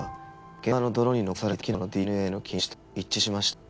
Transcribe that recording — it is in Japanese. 現場の泥に残されていたキノコのＤＮＡの菌糸と一致しました。